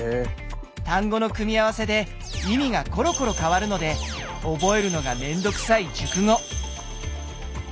単語の組み合わせで意味がコロコロ変わるので覚えるのがめんどくさい熟語。